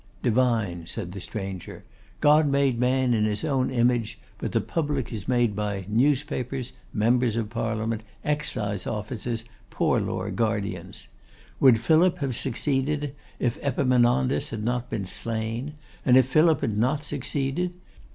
'Divine,' said the stranger. 'God made man in His own image; but the Public is made by Newspapers, Members of Parliament, Excise Officers, Poor Law Guardians. Would Philip have succeeded if Epaminondas had not been slain? And if Philip had not succeeded?